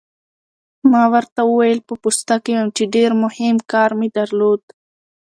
ما ورته وویل: په پوسته کې وم، چې ډېر مهم کار مې درلود.